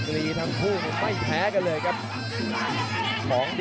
กระโดยสิ้งเล็กนี่ออกกันขาสันเหมือนกันครับ